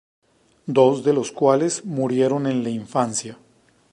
Dos de los cuales murieron en la infancia.